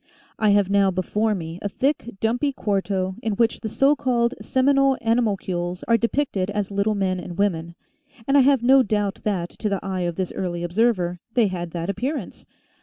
I have now before me a Fig. 18. thick, dumpy quarto in which the so called seminal animal cules are depicted as little men and women, and I have no doubt that, to the eye of this early observer, they had that appearance.